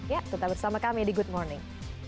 ya tetap bersama kami di good morning